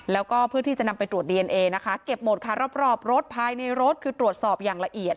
แล้วก็เพื่อที่จะนำไปตรวจดีเอนเอนะคะเก็บหมดค่ะรอบรถภายในรถคือตรวจสอบอย่างละเอียด